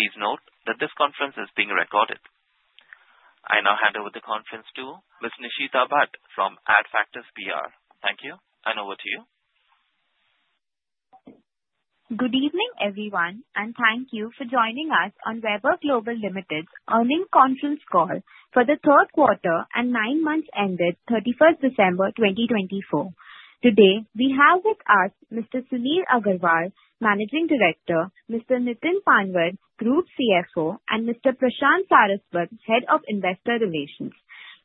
Please note that this conference is being recorded. I now hand over the conference to Ms. Nishita Bhatt from Adfactors PR. Thank you, and over to you. Good evening, everyone, and thank you for joining us on Vaibhav Global Limited's earnings conference call for the third quarter and nine months ended 31st December 2024. Today, we have with us Mr. Sunil Agrawal, Managing Director, Mr. Nitin Panwad, Group CFO, and Mr. Prashant Saraswat, Head of Investor Relations.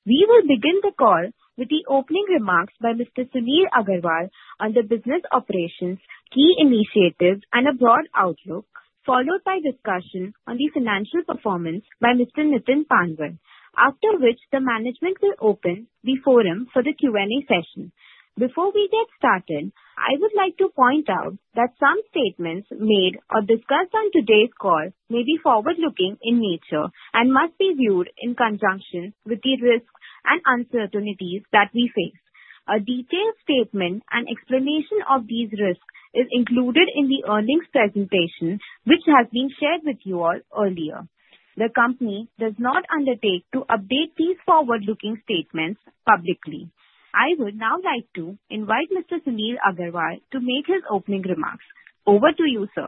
We will begin the call with the opening remarks by Mr. Sunil Agrawal on the business operations, key initiatives, and a broad outlook, followed by discussion on the financial performance by Mr. Nitin Panwad, after which the management will open the forum for the Q&A session. Before we get started, I would like to point out that some statements made or discussed on today's call may be forward-looking in nature and must be viewed in conjunction with the risks and uncertainties that we face. A detailed statement and explanation of these risks is included in the earnings presentation, which has been shared with you all earlier. The company does not undertake to update these forward-looking statements publicly. I would now like to invite Mr. Sunil Agrawal to make his opening remarks. Over to you, sir.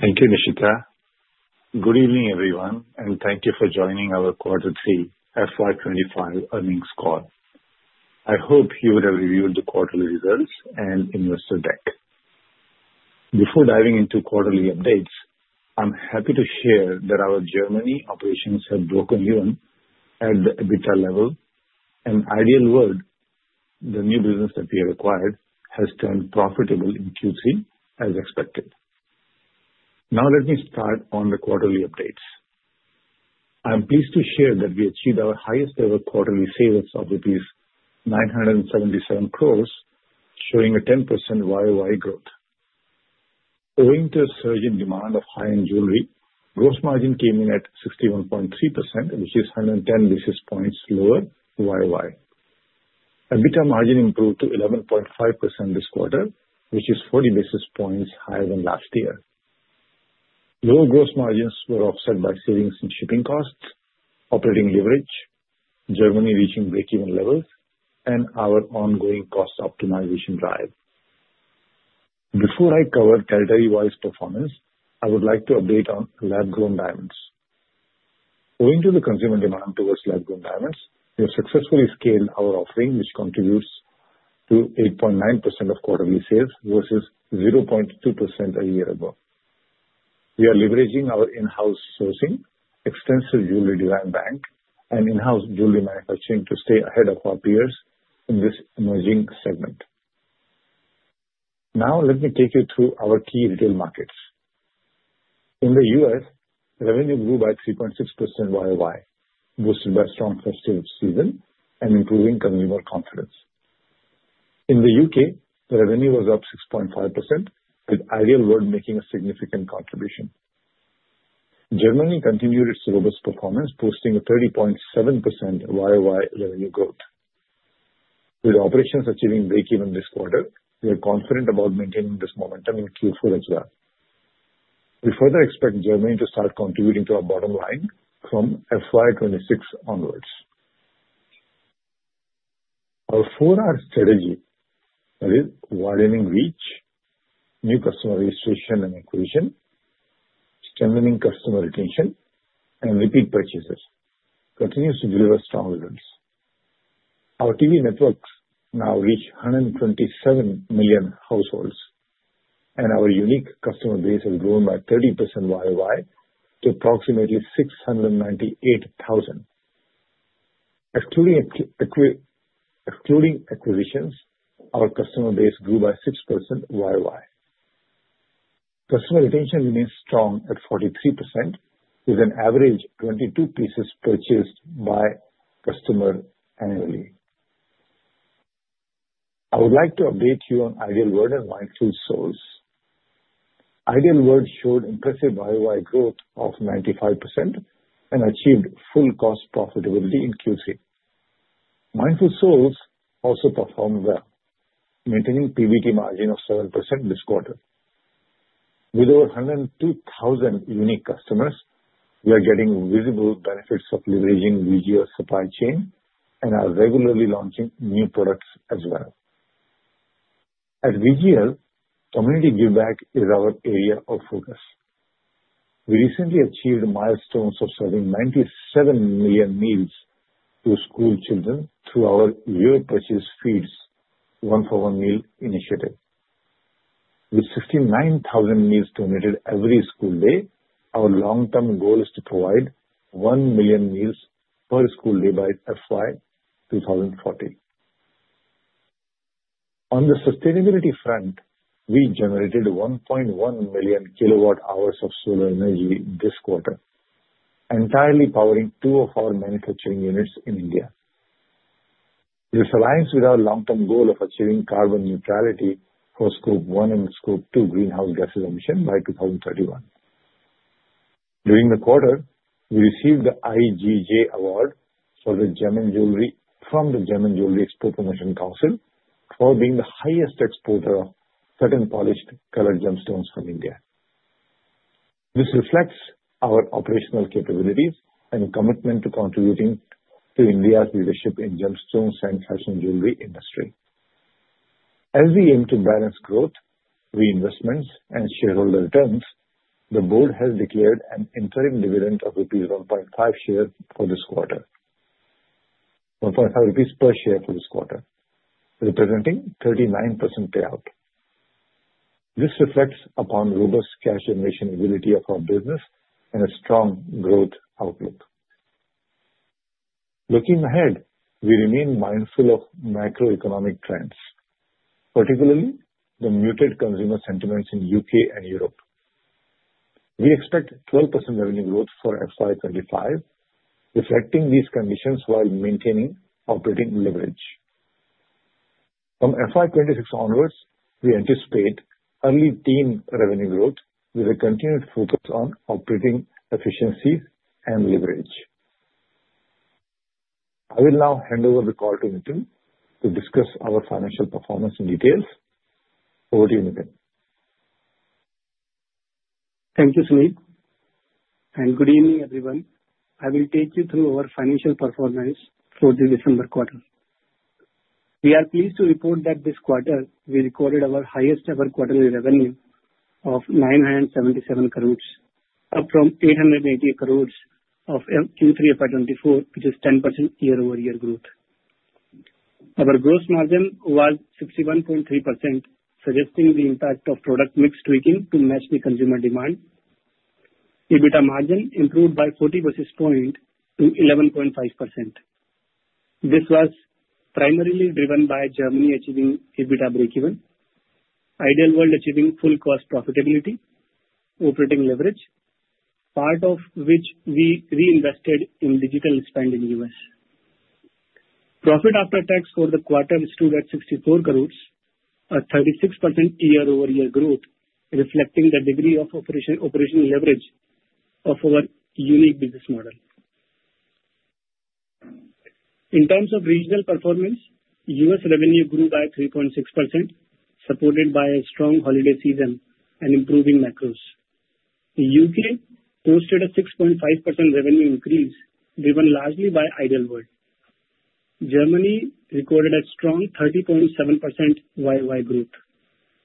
Thank you, Nishita. Good evening, everyone, and thank you for joining our Quarter 3, FY 2025 earnings call. I hope you would have reviewed the quarterly results and investor deck. Before diving into quarterly updates, I'm happy to share that our Germany operations have broken even at the EBITDA level. In Ideal World, the new business that we have acquired has turned profitable in Q3, as expected. Now, let me start on the quarterly updates. I'm pleased to share that we achieved our highest-ever quarterly sales of INR 977 crores, showing a 10% YOY growth. Owing to a surge in demand of high-end jewelry, gross margin came in at 61.3%, which is 110 basis points lower YOY. EBITDA margin improved to 11.5% this quarter, which is 40 basis points higher than last year. Lower gross margins were offset by savings in shipping costs, operating leverage, Germany reaching break-even levels, and our ongoing cost optimization drive. Before I cover territory-wise performance, I would like to update on lab-grown diamonds. Owing to the consumer demand towards lab-grown diamonds, we have successfully scaled our offering, which contributes to 8.9% of quarterly sales versus 0.2% a year ago. We are leveraging our in-house sourcing, extensive jewelry design bank, and in-house jewelry manufacturing to stay ahead of our peers in this emerging segment. Now, let me take you through our key retail markets. In the U.S., revenue grew by 3.6% YOY, boosted by strong festive season and improving consumer confidence. In the U.K., revenue was up 6.5%, with Ideal World making a significant contribution. Germany continued its robust performance, boosting a 30.7% YOY revenue growth. With operations achieving break-even this quarter, we are confident about maintaining this momentum in Q4 as well. We further expect Germany to start contributing to our bottom line from FY 2026 onwards. Our 4R strategy, that is, widening reach, new customer registration and acquisition, strengthening customer retention, and repeat purchases, continues to deliver strong results. Our TV networks now reach 127 million households, and our unique customer base has grown by 30% YOY to approximately 698,000. Excluding acquisitions, our customer base grew by 6% YOY. Customer retention remains strong at 43%, with an average of 22 pieces purchased by customer annually. I would like to update you on Ideal World and Mindful Souls. Ideal World showed impressive YOY growth of 95% and achieved full cost profitability in Q3. Mindful Souls also performed well, maintaining PBT margin of 7% this quarter. With over 102,000 unique customers, we are getting visible benefits of leveraging VGL supply chain and are regularly launching new products as well. At VGL, community give-back is our area of focus. We recently achieved milestones of serving 97 million meals to school children through our Your Purchase Feeds one-for-one meal initiative. With 69,000 meals donated every school day, our long-term goal is to provide 1 million meals per school day by FY 2040. On the sustainability front, we generated 1.1 million kilowatt-hours of solar energy this quarter, entirely powering two of our manufacturing units in India. This aligns with our long-term goal of achieving carbon neutrality for Scope 1 and Scope 2 greenhouse gas emission by 2031. During the quarter, we received the IGJ Award for gem and jewellery from the Gem and Jewellery Export Promotion Council for being the highest exporter of satin-polished colored gemstones from India. This reflects our operational capabilities and commitment to contributing to India's leadership in gemstones and fashion jewelry industry. As we aim to balance growth, reinvestments, and shareholder returns, the board has declared an interim dividend of 1.50 rupees per share for this quarter, representing 39% payout. This reflects upon robust cash generation ability of our business and a strong growth outlook. Looking ahead, we remain mindful of macroeconomic trends, particularly the muted consumer sentiments in the U.K. and Europe. We expect 12% revenue growth for FY 2025, reflecting these conditions while maintaining operating leverage. From FY 2026 onwards, we anticipate early teen revenue growth with a continued focus on operating efficiencies and leverage. I will now hand over the call to Nitin to discuss our financial performance in detail. Over to you, Nitin. Thank you, Sunil. Good evening, everyone. I will take you through our financial performance for the December quarter. We are pleased to report that this quarter, we recorded our highest-ever quarterly revenue of 977 crores, up from 880 crores in Q3 of FY 2024, which is 10% year-over-year growth. Our gross margin was 61.3%, suggesting the impact of product mix tweaking to match the consumer demand. EBITDA margin improved by 40 basis points to 11.5%. This was primarily driven by Germany achieving EBITDA break-even, Ideal World achieving full cost profitability, operating leverage, part of which we reinvested in digital expansion in the U.S. Profit after tax for the quarter stood at 64 crores, a 36% year-over-year growth, reflecting the degree of operational leverage of our unique business model. In terms of regional performance, U.S. revenue grew by 3.6%, supported by a strong holiday season and improving macros. The U.K. posted a 6.5% revenue increase, driven largely by Ideal World. Germany recorded a strong 30.7% YOY growth,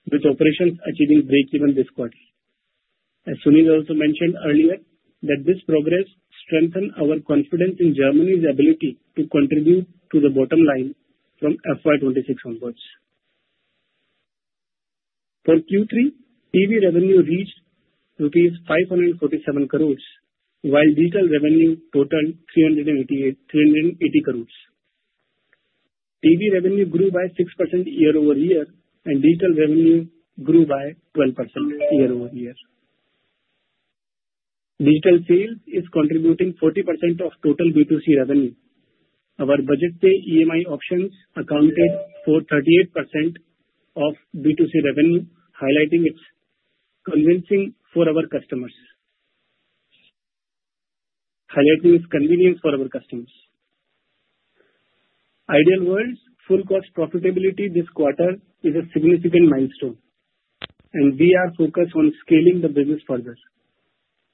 with operations achieving break-even this quarter. As Sunil also mentioned earlier, this progress strengthened our confidence in Germany's ability to contribute to the bottom line from FY 2026 onwards. For Q3, TV revenue reached rupees 547 crores, while digital revenue totaled 380 crores. TV revenue grew by 6% year-over-year, and digital revenue grew by 12% year-over-year. Digital sales is contributing 40% of total B2C revenue. Our BudgetPay EMI options accounted for 38% of B2C revenue, highlighting its convincing for our customers, highlighting its convenience for our customers. Ideal World's full cost profitability this quarter is a significant milestone, and we are focused on scaling the business further.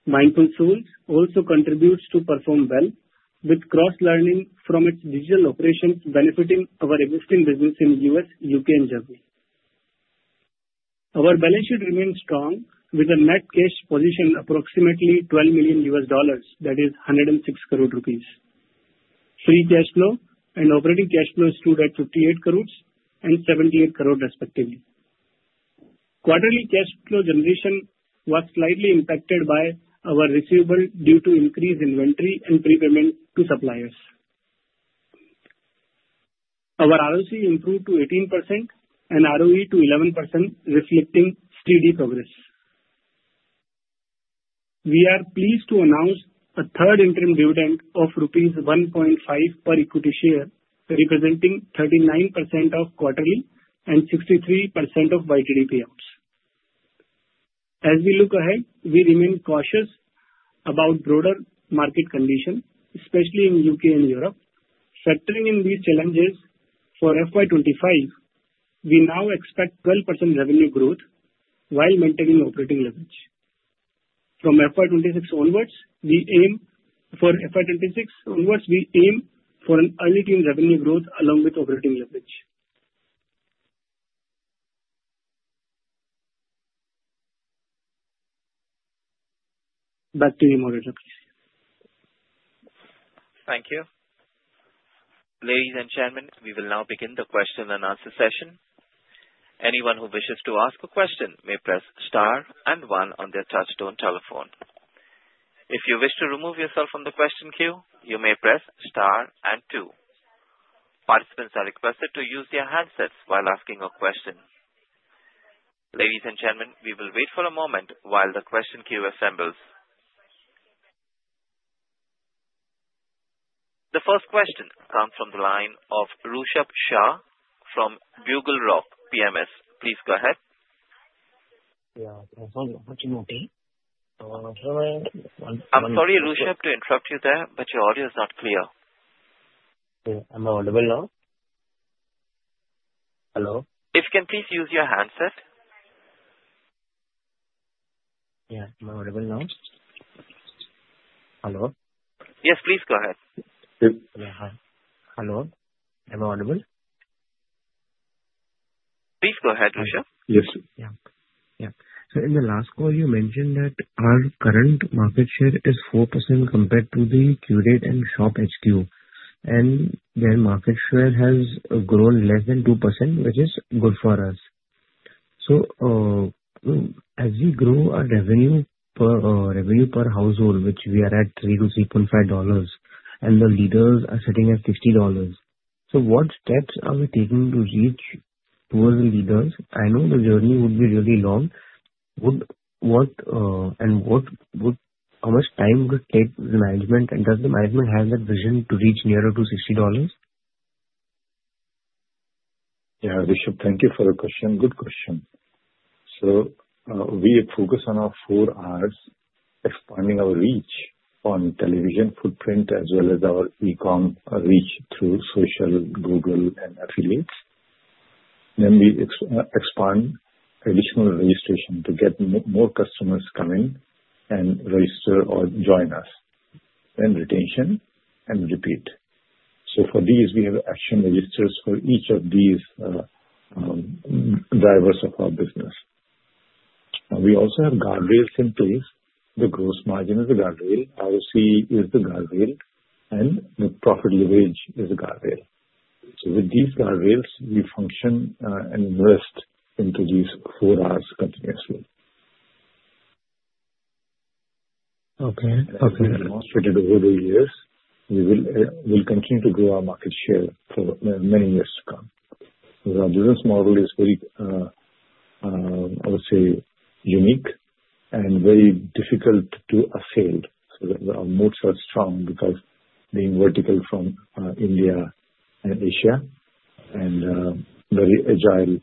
Mindful Souls also contributes to perform well, with cross-learning from its digital operations, benefiting our existing business in the U.S., U.K., and Germany. Our balance sheet remains strong, with a net cash position approximately $12 million U.S. dollars, that is 106 crores rupees. Free cash flow and operating cash flow is due at 58 crores and 78 crores, respectively. Quarterly cash flow generation was slightly impacted by our receivables due to increased inventory and prepayments to suppliers. Our ROC improved to 18% and ROE to 11%, reflecting steady progress. We are pleased to announce a third interim dividend of rupees 1.5 per equity share, representing 39% of quarterly and 63% of YTD payouts. As we look ahead, we remain cautious about broader market conditions, especially in the U.K. and Europe. Factoring in these challenges for FY 2025, we now expect 12% revenue growth while maintaining operating leverage. From FY 2026 onwards, we aim for double-digit revenue growth along with operating leverage. Back to you, Moderator. Thank you. Ladies and gentlemen, we will now begin the question and answer session. Anyone who wishes to ask a question may press star and one on their touch-tone telephone. If you wish to remove yourself from the question queue, you may press star and two. Participants are requested to use their handsets while asking a question. Ladies and gentlemen, we will wait for a moment while the question queue assembles. The first question comes from the line of Rushabh Shah from BugleRock Capital. Please go ahead. Yeah, I'm sorry. I'm sorry, Rushabh, to interrupt you there, but your audio is not clear. Yeah, I'm audible now. Hello? If you can, please use your handset. Yeah, I'm audible now. Hello? Yes, please go ahead. Yeah, hi. Hello. Am I audible? Please go ahead, Rushabh. Yes, sir. Yeah. Yeah. So in the last call, you mentioned that our current market share is 4% compared to the QVC and ShopHQ, and their market share has grown less than 2%, which is good for us. So as we grow our revenue per household, which we are at $3-$3.5, and the leaders are sitting at $60, so what steps are we taking to reach towards the leaders? I know the journey would be really long. What and what would how much time would it take the management, and does the management have that vision to reach nearer to $60? Yeah, Rushabh, thank you for the question. Good question. So we focus on our 4Rs, expanding our reach on television footprint as well as our e-com reach through social, Google, and affiliates. Then we expand additional registration to get more customers coming and register or join us, then retention and repeat. So for these, we have action registers for each of these drivers of our business. We also have guardrails in place. The gross margin is a guardrail, ROC is the guardrail, and the profit leverage is a guardrail. So with these guardrails, we function and invest into these 4Rs continuously. Okay. As we have demonstrated over the years, we will continue to grow our market share for many years to come. Our business model is very, I would say, unique and very difficult to assimilate. So our moats are strong because being vertical from India and Asia and very agile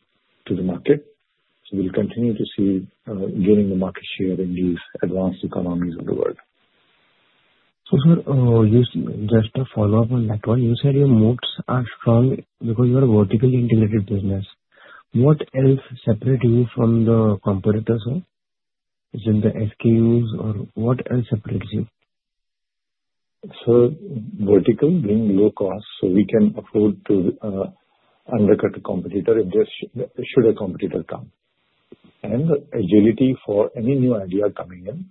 to the market. So we'll continue to see gaining the market share in these advanced economies of the world. So sir, just a follow-up on that one. You said your moats are strong because you are a vertically integrated business. What else separates you from the competitors? Is it the SKUs, or what else separates you? So vertical being low cost, so we can afford to undercut a competitor if there should a competitor come. And agility for any new idea coming in.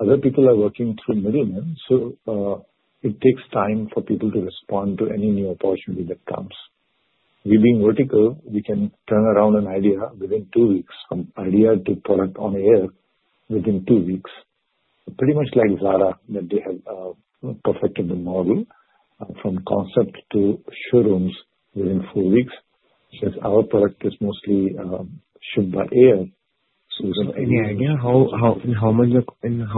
Other people are working through middlemen, so it takes time for people to respond to any new opportunity that comes. We being vertical, we can turn around an idea within two weeks, from idea to product on air within two weeks. Pretty much like Zara, that they have perfected the model from concept to showrooms within four weeks. Since our product is mostly shipped by air, so we can... Any idea how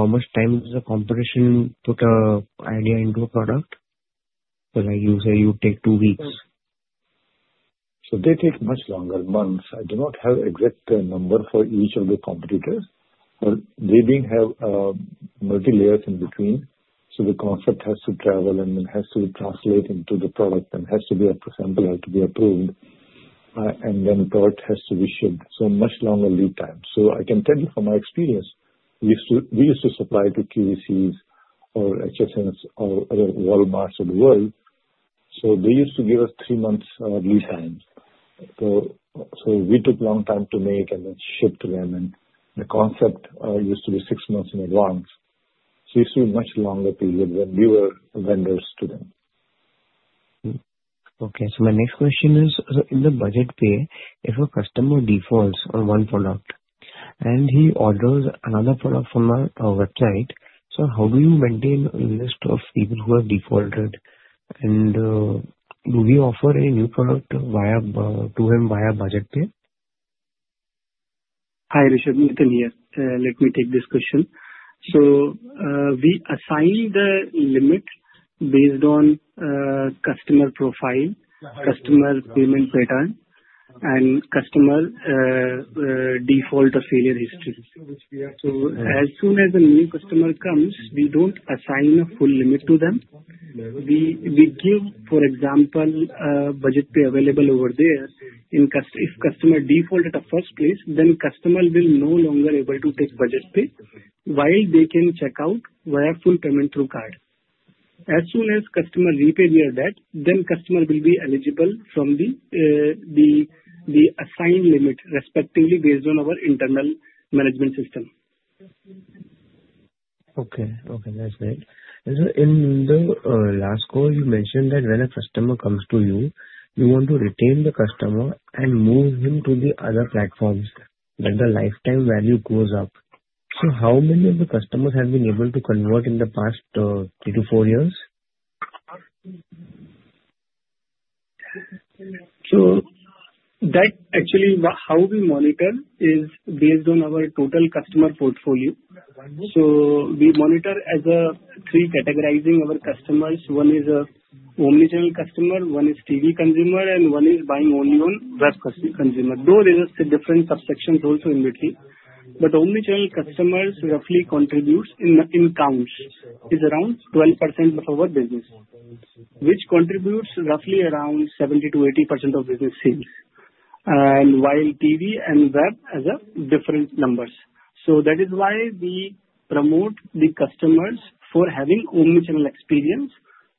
much time does a competitor put an idea into a product? Because you say you take two weeks. So they take much longer, months. I do not have exact number for each of the competitors. But they have multi-layers in between, so the concept has to travel and then has to translate into the product and has to be sampled, has to be approved, and then product has to be shipped. So much longer lead time. So I can tell you from my experience, we used to supply to QVCs or HSNs or other Walmarts of the world, so they used to give us three months of lead time. So we took a long time to make and then ship to them, and the concept used to be six months in advance. So it used to be a much longer period when we were vendors to them. My next question is, in the Budget Pay, if a customer defaults on one product and he orders another product from our website, so how do you maintain a list of people who have defaulted? And do we offer a new product to him via Budget Pay? Hi, Rushabh. Nitin, yes. Let me take this question. So we assign the limit based on customer profile, customer payment pattern, and customer default or failure history. So as soon as a new customer comes, we don't assign a full limit to them. We give, for example, Budget Pay available over there. If customer default at the first place, then customer will no longer be able to take Budget Pay while they can check out via full payment through card. As soon as customer repay via that, then customer will be eligible from the assigned limit, respectively, based on our internal management system. Okay. Okay. That's great. And so in the last call, you mentioned that when a customer comes to you, you want to retain the customer and move him to the other platforms, that the lifetime value goes up. So how many of the customers have been able to convert in the past three to four years? So that actually how we monitor is based on our total customer portfolio, so we monitor as a three categorizing our customers. One is an omnichannel customer, one is TV consumer, and one is buying only on web consumer. Though there are different subsections also in between. But omnichannel customers roughly contribute in counts is around 12% of our business, which contributes roughly around 70%-80% of business sales, while TV and web are different numbers, so that is why we promote the customers for having omnichannel experience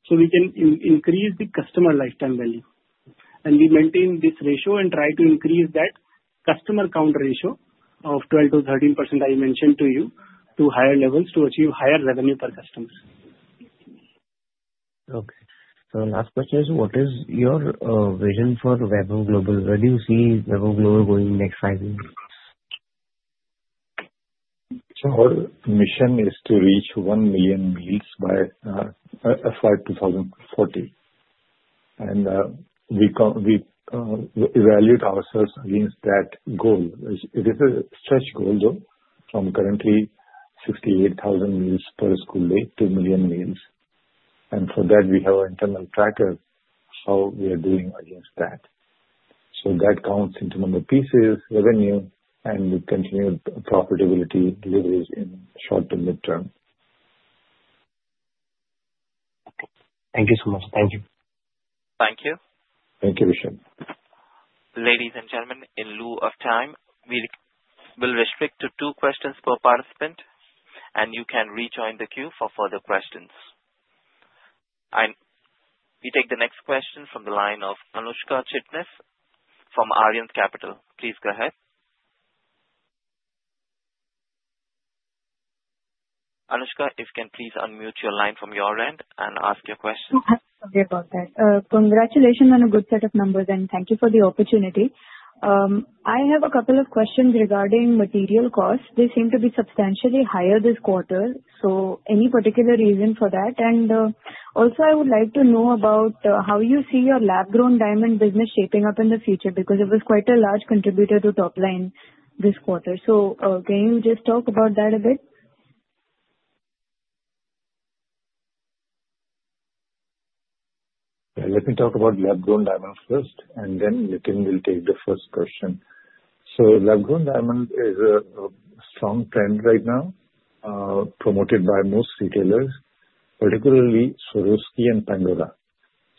so we can increase the customer lifetime value, and we maintain this ratio and try to increase that customer count ratio of 12%-13% I mentioned to you to higher levels to achieve higher revenue per customer. Okay. So last question is, what is your vision for Vaibhav Global? Where do you see Vaibhav Global going next five years? So our mission is to reach one million meals by FY 2040. And we evaluate ourselves against that goal. It is a stretch goal, though, from currently 68,000 meals per school day, two million meals. And for that, we have an internal tracker of how we are doing against that. So that counts into number of pieces, revenue, and we continue profitability deliveries in short to midterm. Okay. Thank you so much. Thank you. Thank you. Thank you, Rushabh. Ladies and gentlemen, in lieu of time, we will restrict to two questions per participant, and you can rejoin the queue for further questions, and we take the next question from the line of Anushka Chitnis from Arihant Capital. Please go ahead. Anushka, if you can please unmute your line from your end and ask your question. Okay. Sorry about that. Congratulations on a good set of numbers, and thank you for the opportunity. I have a couple of questions regarding material costs. They seem to be substantially higher this quarter. So any particular reason for that? And also, I would like to know about how you see your lab-grown diamond business shaping up in the future because it was quite a large contributor to top line this quarter. So can you just talk about that a bit? Let me talk about lab-grown diamond first, and then Nitin will take the first question, so lab-grown diamond is a strong trend right now, promoted by most retailers, particularly Swarovski and Pandora,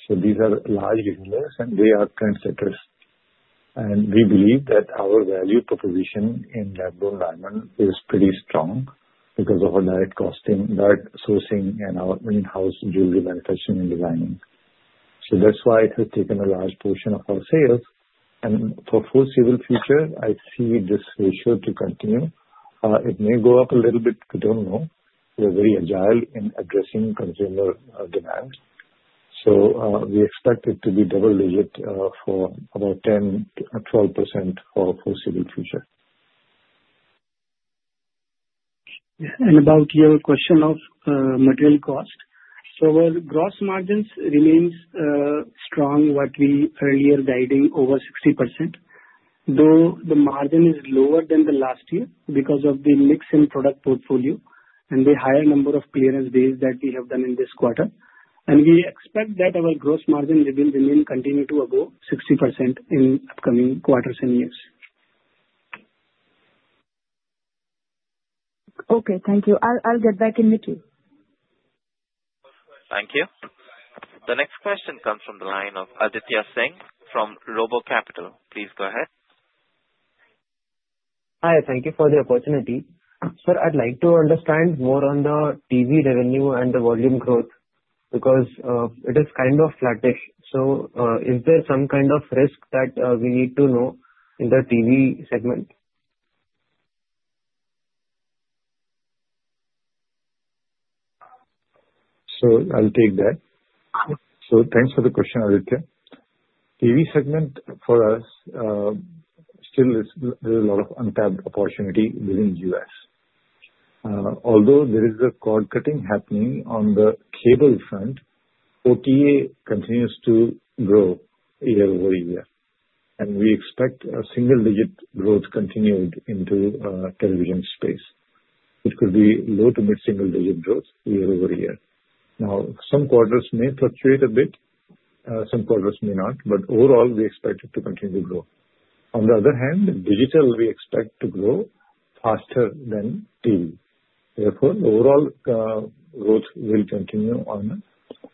so these are large retailers, and they are trendsetters, and we believe that our value proposition in lab-grown diamond is pretty strong because of our direct costing, direct sourcing, and our in-house jewelry manufacturing and designing, so that's why it has taken a large portion of our sales, and for foreseeable future, I see this ratio to continue. It may go up a little bit, we don't know. We are very agile in addressing consumer demand, so we expect it to be double-digit for about 10%-12% for foreseeable future. And about your question of material cost, so our gross margins remain strong, what we earlier guiding over 60%, though the margin is lower than the last year because of the mix in product portfolio and the higher number of clearance days that we have done in this quarter. And we expect that our gross margin will continue to above 60% in upcoming quarters and years. Okay. Thank you. I'll get back in the queue. Thank you. The next question comes from the line of Aditya Singh from RoboCapital. Please go ahead. Hi. Thank you for the opportunity. Sir, I'd like to understand more on the TV revenue and the volume growth because it is kind of flattish. So is there some kind of risk that we need to know in the TV segment? So I'll take that. So thanks for the question, Aditya. TV segment for us still is a lot of untapped opportunity within the U.S. Although there is a cord cutting happening on the cable front, OTA continues to grow year over year. And we expect a single-digit growth continued into television space, which could be low to mid-single-digit growth year over year. Now, some quarters may fluctuate a bit, some quarters may not, but overall, we expect it to continue to grow. On the other hand, digital, we expect to grow faster than TV. Therefore, overall growth will continue in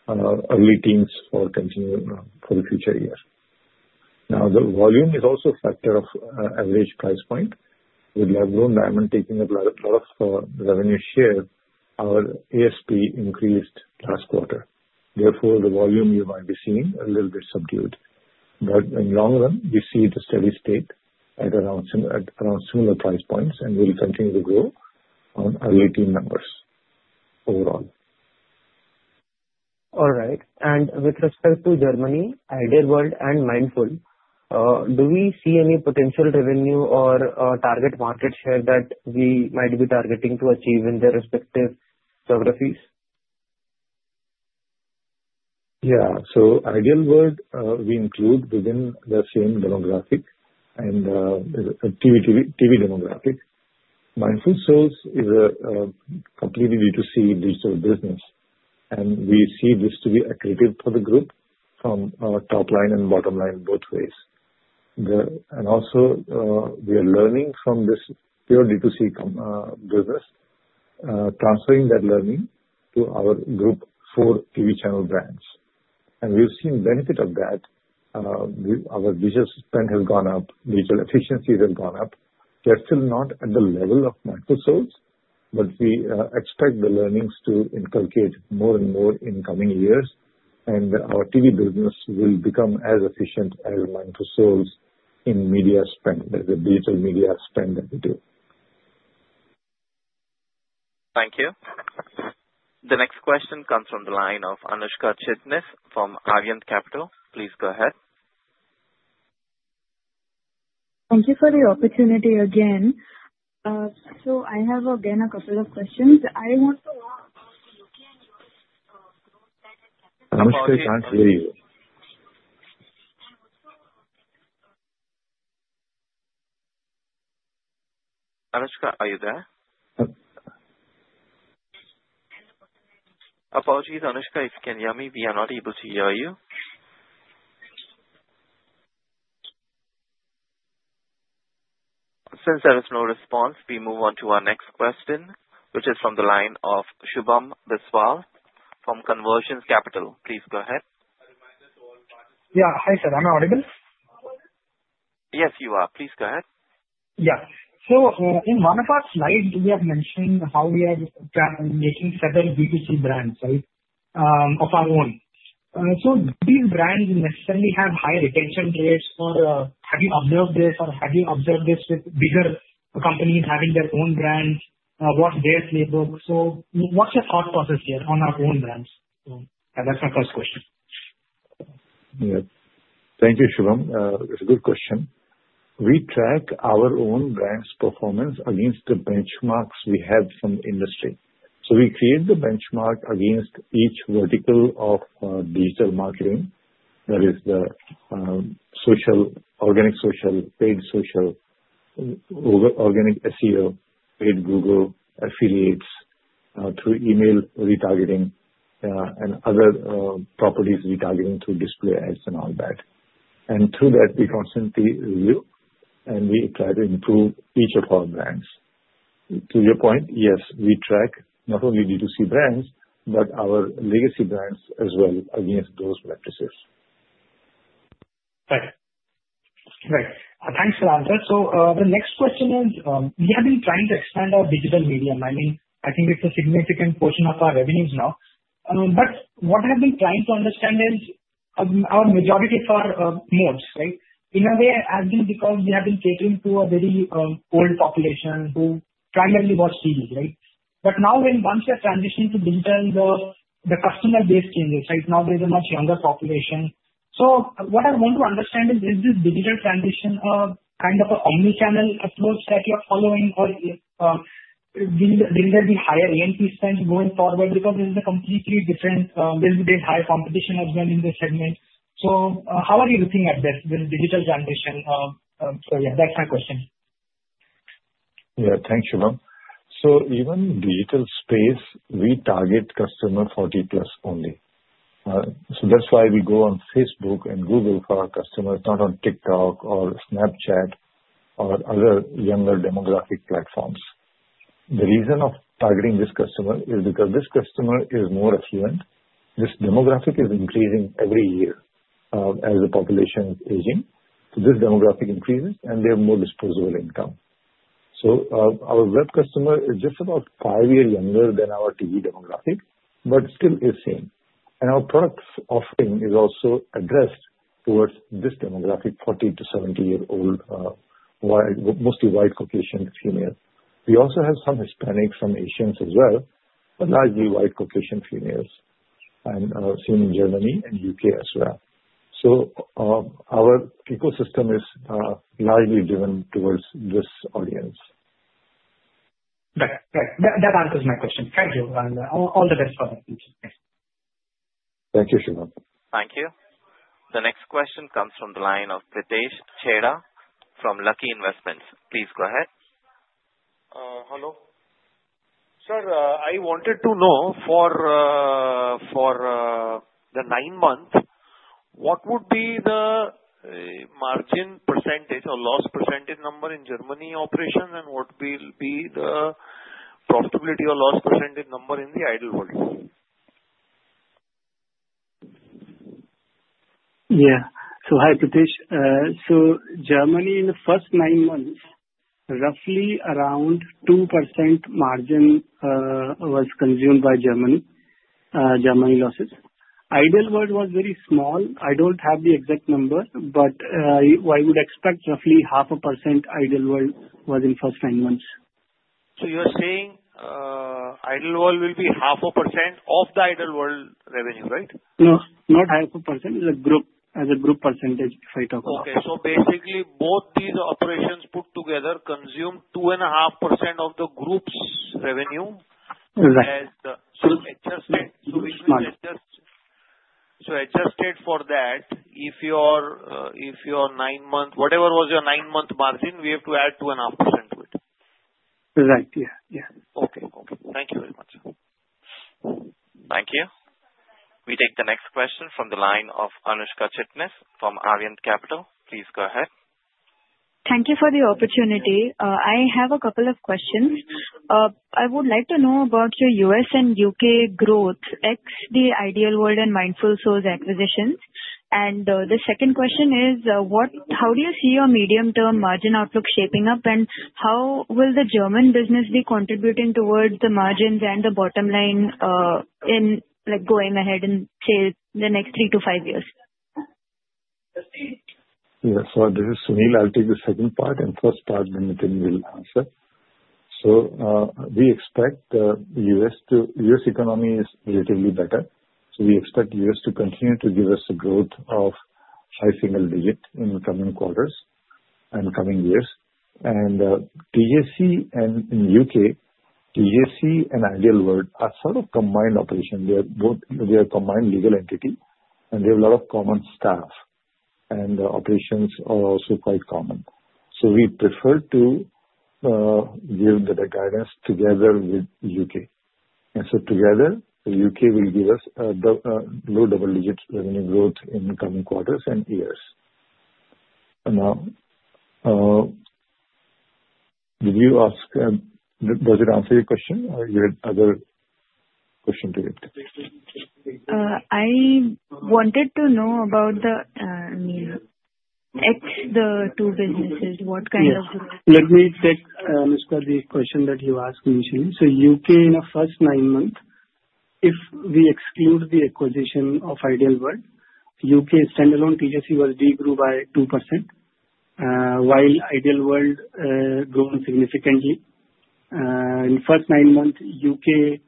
early teens for the future year. Now, the volume is also a factor of average price point. With lab-grown diamond taking up a lot of revenue share, our ASP increased last quarter. Therefore, the volume you might be seeing a little bit subdued. But in the long run, we see the steady state at around similar price points and will continue to grow on unit numbers overall. All right. And with respect to Germany, Ideal World, and Mindful, do we see any potential revenue or target market share that we might be targeting to achieve in their respective geographies? Yeah. So Ideal World, we include within the same demographic and TV demographic. Mindful Souls is a completely B2C digital business, and we see this to be a critical for the group from top line and bottom line both ways. And also, we are learning from this pure B2C business, transferring that learning to our group for TV channel brands. And we've seen benefit of that. Our digital spend has gone up, digital efficiencies have gone up. They're still not at the level of Mindful Souls, but we expect the learnings to inculcate more and more in coming years, and our TV business will become as efficient as Mindful Souls in media spend, the digital media spend that we do. Thank you. The next question comes from the line of Anushka Chitnis from Arihant Capital. Please go ahead. Thank you for the opportunity again. So I have again a couple of questions. I want to know about the U.K. and U.S. growth that has happened. [inaudible] Anushka, I can't hear you. Anushka, are you there? Apologies, Anushka. If you can hear me, we are not able to hear you. Since there is no response, we move on to our next question, which is from the line of Shubham Biswal from Convergence Capital. Please go ahead. Yeah. Hi, sir. Am I audible? Yes, you are. Please go ahead. Yeah. So in one of our slides, we are mentioning how we are making several B2C brands, right, of our own. So these brands necessarily have higher retention rates. Have you observed this, or have you observed this with bigger companies having their own brands? What's their flavor? So what's your thought process here on our own brands? And that's my first question. Yep. Thank you, Shubham. It's a good question. We track our own brand's performance against the benchmarks we have from industry. So we create the benchmark against each vertical of digital marketing, that is the organic social, paid social, organic SEO, paid Google affiliates through email retargeting, and other properties retargeting through display ads and all that. And through that, we constantly review and we try to improve each of our brands. To your point, yes, we track not only B2C brands, but our legacy brands as well against those practices. Right. Right. Thanks, Sunil. So the next question is, we have been trying to expand our digital media. I mean, I think it's a significant portion of our revenues now. But what I've been trying to understand is our majority of our modes, right? In a way, it has been because we have been catering to a very old population who primarily watch TV, right? But now, once we have transitioned to digital, the customer base changes, right? Now, there's a much younger population. So what I want to understand is, is this digital transition kind of an omnichannel approach that you're following, or will there be higher A&P spend going forward? Because there's a completely different higher competition as well in this segment. So how are you looking at this with digital transition? So yeah, that's my question. Yeah. Thanks, Shubham. So even in digital space, we target customer 40-plus only. So that's why we go on Facebook and Google for our customers, not on TikTok or Snapchat or other younger demographic platforms. The reason of targeting this customer is because this customer is more affluent. This demographic is increasing every year as the population is aging. So this demographic increases, and they have more disposable income. So our web customer is just about five years younger than our TV demographic, but still is same. And our product offering is also addressed towards this demographic, 40- to 70-year-old, mostly white Caucasian females. We also have some Hispanics, some Asians as well, but largely white Caucasian females, and seen in Germany and U.K. as well. So our ecosystem is largely driven towards this audience. Right. Right. That answers my question. Thank you, and all the best for that. Thank you, Shubham. Thank you. The next question comes from the line of Vitesh Chheda from Lucky Investment Managers. Please go ahead. Hello. Sir, I wanted to know for the nine months, what would be the margin % or loss % number in Germany operations, and what will be the profitability or loss % number in the Ideal World? Yeah. So hi, Vitesh. So Germany in the first nine months, roughly around 2% margin was consumed by Germany losses. Ideal World was very small. I don't have the exact number, but I would expect roughly 0.5% Ideal World was in first nine months. So you're saying Ideal World will be 0.5% of the Ideal World revenue, right? No. Not 0.5%. It's a group as a group percentage if I talk about it. Okay. So basically, both these operations put together consume 2.5% of the group's revenue as the adjusted. Right. Adjusted for that, if your nine-month whatever was your nine-month margin, we have to add 2.5% to it. Right. Yeah. Yeah. Okay. Okay. Thank you very much. Thank you. We take the next question from the line of Anushka Chitnis from Arihant Capital. Please go ahead. Thank you for the opportunity. I have a couple of questions. I would like to know about your U.S. and U.K. growth, ex the Ideal World and Mindful Souls acquisitions. And the second question is, how do you see your medium-term margin outlook shaping up, and how will the German business be contributing towards the margins and the bottom line going ahead in, say, the next three to five years? Yeah. So this is Sunil. I'll take the second part, and first part, Nitin will answer. So we expect the U.S. economy is relatively better. So we expect the U.S. to continue to give us a growth of high single-digit in the coming quarters and coming years. And TJC and in the U.K., TJC and Ideal World are sort of combined operations. They are combined legal entities, and they have a lot of common staff, and the operations are also quite common. So we prefer to give the guidance together with the U.K. And so together, the U.K. will give us low double-digit revenue growth in coming quarters and years. Now, did you ask does it answer your question, or you had other question to get? I wanted to know about the, I mean, ex the two businesses, what kind of growth? Yeah. Let me take, Anushka, the question that you asked initially. So U.K. in the first nine months, if we exclude the acquisition of Ideal World, U.K. standalone TJC de-grew by 2%, while Ideal World grew significantly. In the first nine months, U.K.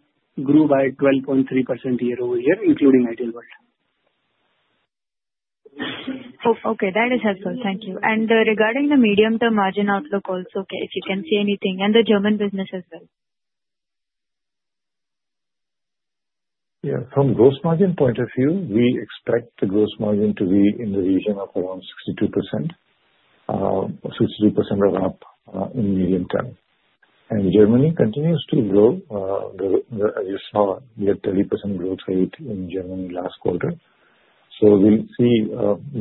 grew by 12.3% year over year, including Ideal World. Okay. That is helpful. Thank you. And regarding the medium-term margin outlook also, if you can see anything, and the German business as well? Yeah. From gross margin point of view, we expect the gross margin to be in the region of around 62%, 62% or up in medium term. And Germany continues to grow. As you saw, we had 30% growth rate in Germany last quarter. So we'll see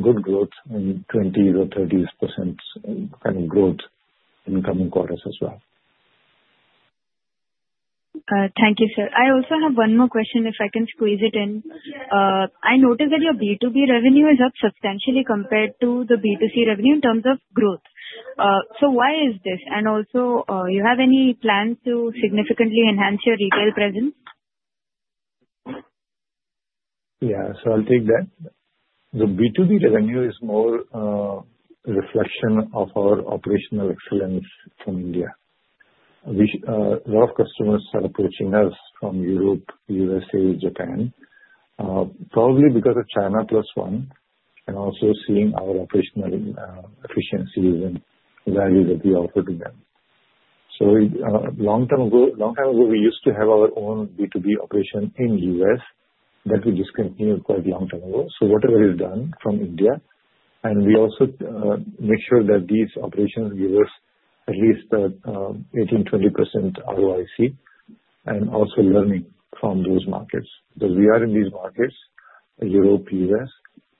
good growth in 20% or 30% kind of growth in coming quarters as well. Thank you, sir. I also have one more question if I can squeeze it in. I noticed that your B2B revenue is up substantially compared to the B2C revenue in terms of growth. So why is this? And also, do you have any plans to significantly enhance your retail presence? Yeah. So I'll take that. The B2B revenue is more a reflection of our operational excellence from India. A lot of customers are approaching us from Europe, USA, Japan, probably because of China Plus One, and also seeing our operational efficiencies and values that we offer to them. So long time ago, we used to have our own B2B operation in the U.S. that we discontinued quite a long time ago. So whatever is done from India, and we also make sure that these operations give us at least 18%-20% ROIC and also learning from those markets. Because we are in these markets, Europe, U.S.,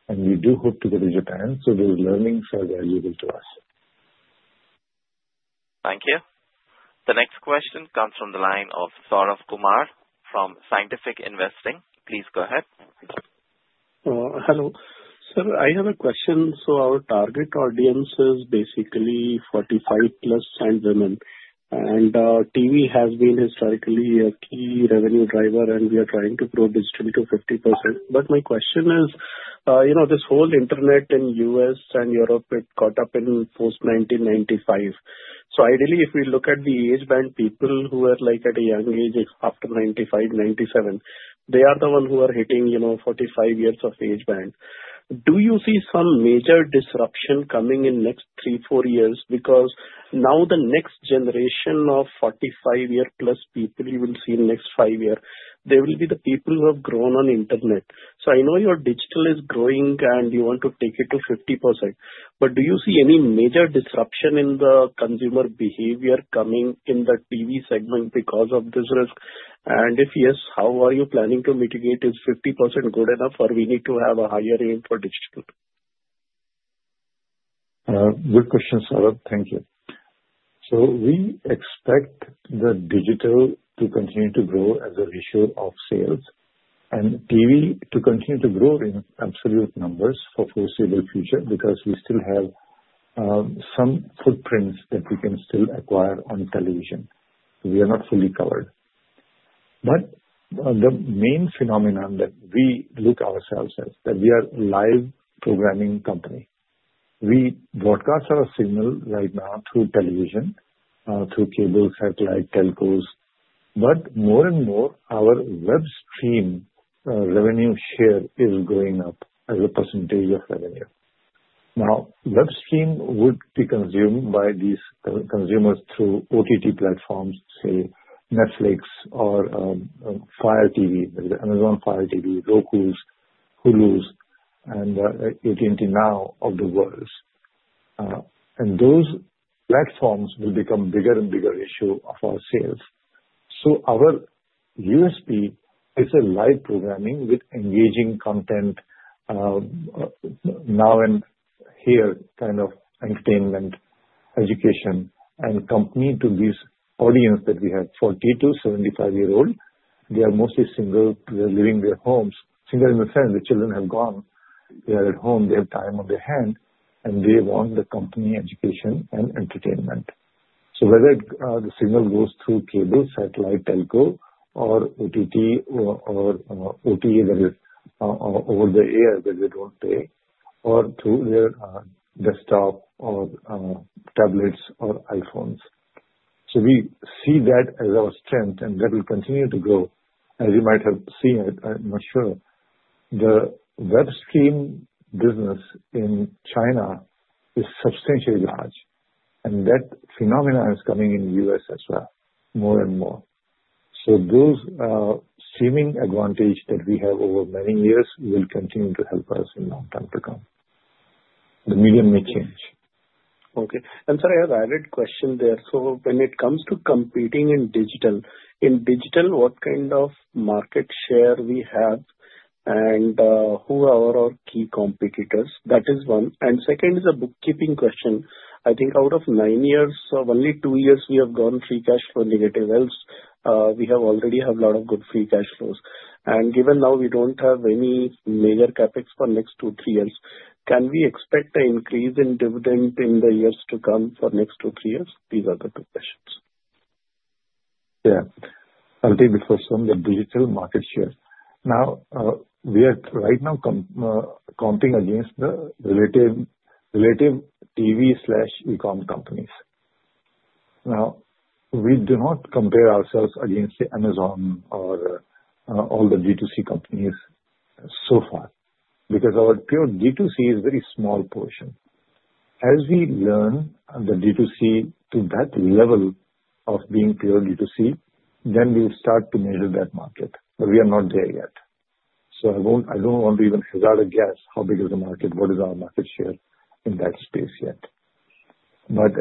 and we do hope to go to Japan. So those learnings are valuable to us. Thank you. The next question comes from the line of Saurabh Kumar from Scientific Investing. Please go ahead. Hello. Sir, I have a question. So our target audience is basically 45-plus and women. And TV has been historically a key revenue driver, and we are trying to grow this to 50%. But my question is, this whole internet in U.S. and Europe, it caught up in post-1995. So ideally, if we look at the age band people who are at a young age after 95, 97, they are the ones who are hitting 45 years of age band. Do you see some major disruption coming in the next three, four years? Because now the next generation of 45-year-plus people you will see in the next five years, they will be the people who have grown on internet. So I know your digital is growing, and you want to take it to 50%. But do you see any major disruption in the consumer behavior coming in the TV segment because of this risk? And if yes, how are you planning to mitigate? Is 50% good enough, or we need to have a higher aim for digital? Good question, Saurabh. Thank you. So we expect the digital to continue to grow as a ratio of sales, and TV to continue to grow in absolute numbers for the foreseeable future because we still have some footprints that we can still acquire on television. We are not fully covered. But the main phenomenon that we look ourselves at, that we are a live programming company, we broadcast our signal right now through television, through cable, satellite, telcos. But more and more, our web stream revenue share is going up as a percentage of revenue. Now, web stream would be consumed by these consumers through OTT platforms, say, Netflix or Fire TV, Amazon Fire TV, Roku, Hulu, and AT&T Now of the world. And those platforms will become a bigger and bigger ratio of our sales. Our USP is live programming with engaging content now and here, kind of entertainment, education, and companionship to these audiences that we have. 40- to 75-year-old, they are mostly single. They're living alone. Single in the sense the children have gone. They are at home. They have time on their hands, and they want the companionship, education, and entertainment. Whether the signal goes through cable, satellite, telco, or OTT or OTA that is over the air that they don't pay, or through their desktop or tablets or iPhones. We see that as our strength, and that will continue to grow, as you might have seen. I'm not sure. The web stream business in China is substantially large, and that phenomenon is coming in the U.S. as well, more and more. Those streaming advantages that we have over many years will continue to help us in the long term to come. The medium may change. Okay. Sorry, I have an added question there. When it comes to competing in digital, what kind of market share we have and who are our key competitors? That is one. Second is a bookkeeping question. I think out of nine years, of only two years, we have gone free cash flow negative. Else we have already had a lot of good free cash flows. Given now we don't have any major CapEx for the next two, three years, can we expect an increase in dividend in the years to come for the next two, three years? These are the two questions. Yeah. I'll take the first one, the digital market share. Now, we are right now counting against the relative TV/e-com companies. Now, we do not compare ourselves against Amazon or all the D2C companies so far because our pure D2C is a very small portion. As we learn the D2C to that level of being pure D2C, then we will start to measure that market. But we are not there yet. So I don't want to even hazard a guess how big is the market, what is our market share in that space yet. But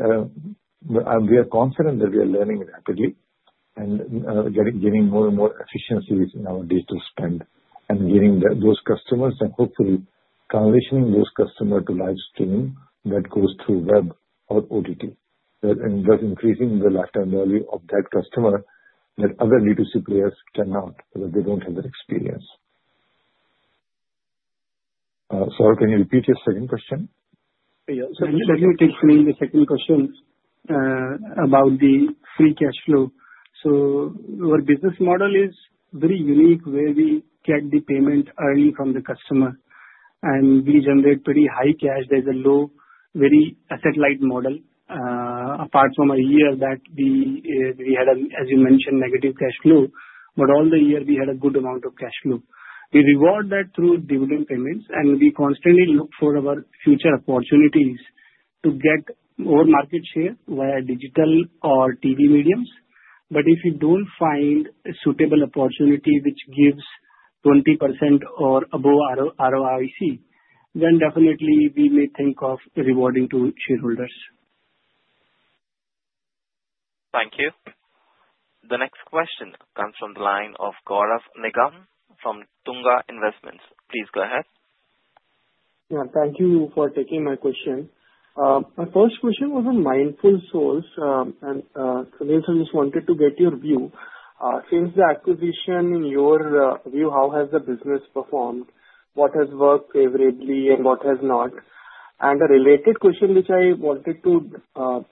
we are confident that we are learning rapidly and getting more and more efficiencies in our digital spend and getting those customers and hopefully transitioning those customers to live stream that goes through web or OTT, thus increasing the lifetime value of that customer that other D2C players cannot because they don't have that experience. Saurabh, can you repeat your second question? Yeah. So let me take Saurabh's second question about the free cash flow. Our business model is very unique where we get the payment early from the customer, and we generate pretty high cash. There's a low, very asset-light model. Apart from a year that we had, as you mentioned, negative cash flow, but in all other years we had a good amount of cash flow. We reward that through dividend payments, and we constantly look for our future opportunities to get more market share via digital or TV mediums. But if we don't find a suitable opportunity which gives 20% or above ROIC, then definitely we may think of rewarding to shareholders. Thank you. The next question comes from the line of Gaurav Nigam from Tunga Investments. Please go ahead. Yeah. Thank you for taking my question. My first question was on Mindful Souls. And Sunil, I just wanted to get your view. Since the acquisition, in your view, how has the business performed? What has worked favorably and what has not? And a related question which I wanted to